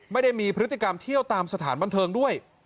ไม่ได้มีพฤติกรรมเที่ยวตามสถานบันเทิงด้วย